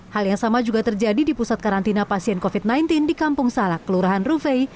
hal yang sama juga terjadi di pusat karantina pasien covid sembilan belas di kampung salak kelurahan rufei